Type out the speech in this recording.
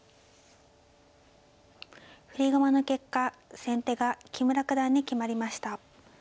振り駒の結果先手が木村九段に決まりました。